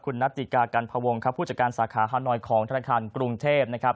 คุณนัตติกากันพวงครับผู้จัดการสาขาฮานอยของธนาคารกรุงเทพนะครับ